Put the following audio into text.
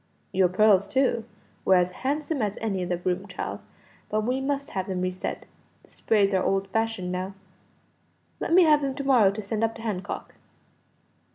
"Your pearls, too, were as handsome as any in the room, child but we must have them re set; the sprays are old fashioned now. Let me have them to morrow to send up to Hancock."